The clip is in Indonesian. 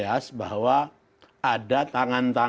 ya itu mendekatkan akan